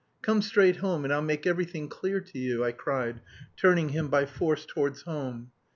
"Come straight home and I'll make everything clear to you," I cried, turning him by force towards home.